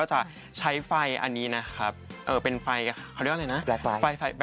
ก็จะใช้ไฟอันนี้นะครับเอ่อเป็นไฟเขาเรียกอะไรนะไฟไฟครับ